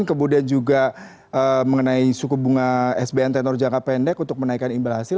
kemudian juga mengenai suku bunga sbn tenor jangka pendek untuk menaikkan imbal hasil